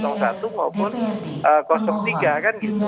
maupun tiga kan gitu melalui gugatan ke mk kan gitu